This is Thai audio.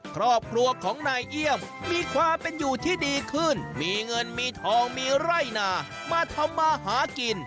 ครอบครัวของนายเอี่ยมมีความเป็นอยู่ที่ดีขึ้นมีเงินมีทองมีไร่นามาทำมาหากิน